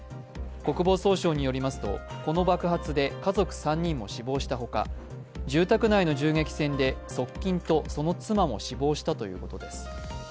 国防総省によりますとこの爆発で家族３人も死亡したほか住宅内の銃撃戦で側近と、その妻も死亡したということです。